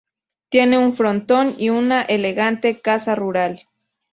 Tiene un frontón y una elegante casa rural.